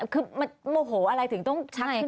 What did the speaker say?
คือมันโมโหอะไรถึงต้องชัก